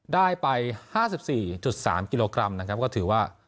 ได้ไป๕๔๓กิโลกรัมนะครับก็ถือว่า